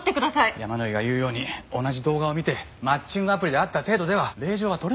山野井が言うように同じ動画を見てマッチングアプリで会った程度では令状は取れないよ。